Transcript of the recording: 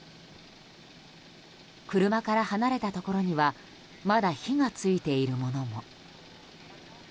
車から離れたところにはまだ火が付いているものも。